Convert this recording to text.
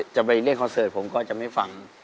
จะไปเล่นคอนเสิร์ตผมก็จะไม่ฟัง